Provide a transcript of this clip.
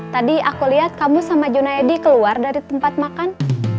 tadi aku lihat kamu sama junaidi keluar dari tempat makan